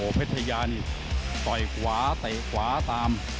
โอ้เพชยะนี่ต่อยกวาเตะกวาตาม